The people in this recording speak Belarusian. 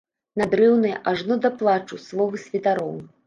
Надрыўныя ажно да плачу словы святароў.